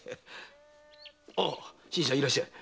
あ新さんいらっしゃい。